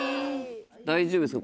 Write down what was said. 大丈夫ですか？